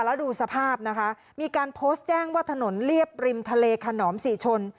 แล้วดูสภาพนะคะมีการโพสต์แจ้งว่าถนนเรียบริมทะเลขนอมศรีชน